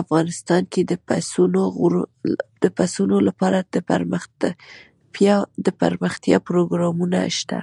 افغانستان کې د پسونو لپاره دپرمختیا پروګرامونه شته.